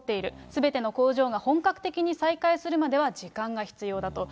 すべての工場が本格的に再開するまでは時間が必要だと。